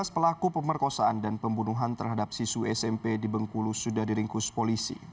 lima belas pelaku pemerkosaan dan pembunuhan terhadap siswi smp di bengkulu sudah diringkus polisi